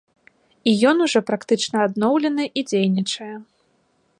І ён ужо практычна адноўлены і дзейнічае.